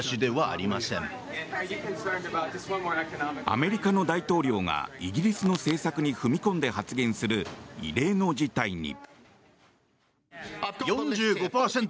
アメリカの大統領がイギリスの政策に踏み込んで発言する異例の事態に。